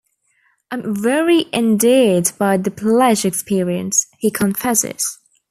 "I'm very endeared by the Pledge experience," he confesses.